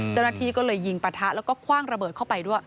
เจ้าหน้าที่ก็เลยยิงปะทะแล้วก็คว่างระเบิดเข้าไปด้วย